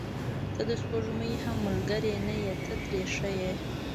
• ته د سپوږمۍ هم ملګرې نه یې، ته ترې ښه یې.